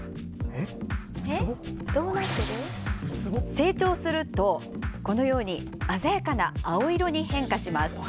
成長するとこのように鮮やかな青色に変化します。